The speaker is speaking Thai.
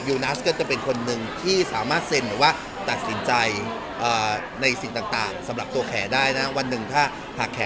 ยูนัสเกิดจะเป็นคนหนึ่งที่สามารถเซ็นหรือว่าตัดสินใจเอ่อในสิ่งต่างต่างสำหรับตัวแขนได้นะ